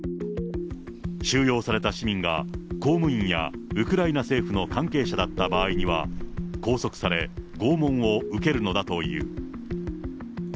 収容された市民が、公務員やウクライナ政府の関係者だった場合には、拘束され、拷問を受けるのだという。